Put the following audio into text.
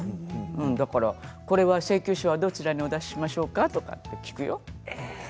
だからこれは請求書はどちらにお出ししましょうかとか聞くよ。